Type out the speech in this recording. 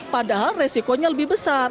padahal resikonya lebih besar